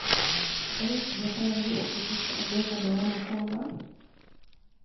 rais jakaya mrisho kikwete aliweka bayana kwamba